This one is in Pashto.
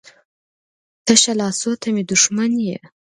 تشه لاسو ته مې دښمن یې.